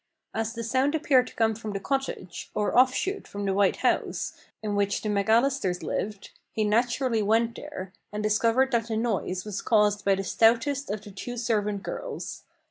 As the sound appeared to come from the cottage, or off shoot from the White House, in which the McAllisters lived, he naturally went there, and discovered that the noise was caused by the stoutest of the two servant girls.